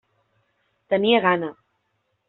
Tenia gana.